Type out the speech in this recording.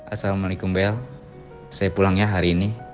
assalamualaikum bel saya pulangnya hari ini